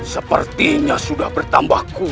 sepertinya sudah bertambah ber sweet